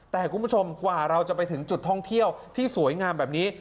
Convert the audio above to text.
แต่คุณผู้ชมกว่าเราจะไปถึงจุดท่องเที่ยวที่สวยงามแบบนี้